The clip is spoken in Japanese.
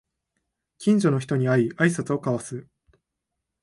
近所の人に会いあいさつを交わす